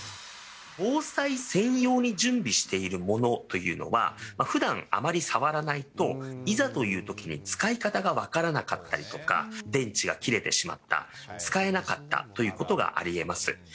防災専用に準備しているものというのは、ふだんあまり触らないと、いざというときに使い方が分からなかったりとか、電池が切れてしまったとか、使えなかったということがありえます。